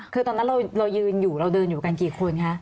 คือตอนนั้นเรายืนอยู่เราเดินอยู่กันกี่คนคะ